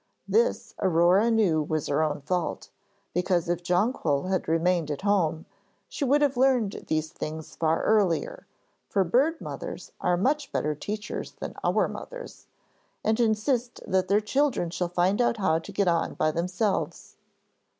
This Aurore knew was her own fault, because if Jonquil had remained at home she would have learned these things far earlier, for bird mothers are much better teachers than our mothers, and insist that their children shall find out how to get on by themselves.